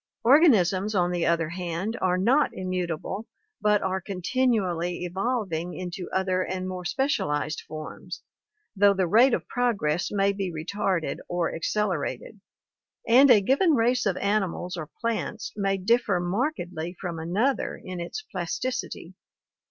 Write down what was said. Organisms, on the other hand, are not immutable, but are continually evolving into other and more specialized forms, though the rate of progress may be re tarded or accelerated, and a given race of animals or plants may differ markedly from another in its plasticity.